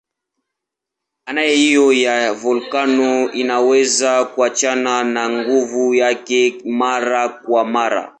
Aina hiyo ya volkeno inaweza kuachana na nguvu yake mara kwa mara.